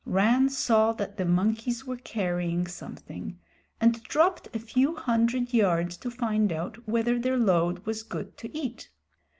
Rann saw that the monkeys were carrying something, and dropped a few hundred yards to find out whether their load was good to eat.